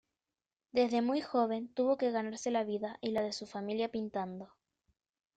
Desde muy joven tuvo que ganarse la vida y la de su familia pintando.